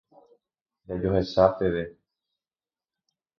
Jajohecha peve.